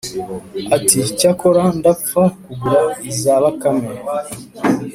ati: ‘cyakora ndapfa kugura iza bakame.’